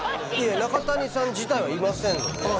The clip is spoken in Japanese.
中谷さん自体はいませんのであ